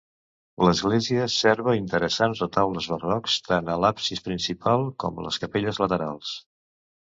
L'església serva interessants retaules barrocs, tant a l'absis principal com a les capelles laterals.